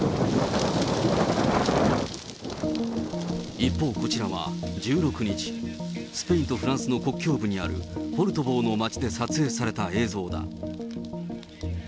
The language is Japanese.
一方、こちらは１６日、スペインとフランスの国境部にあるポルトボウの町で撮影された映像だ。